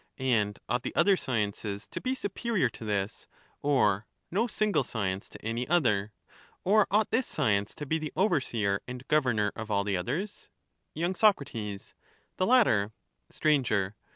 And ought the other sciences to be superior to this, STtAMCBm, or no single science to any other ? Or ought this science to ^^"J^tes. be the overseer and governor of all the others ? Y. Soc. The latter. Sir.